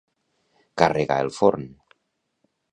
Carregar el forn.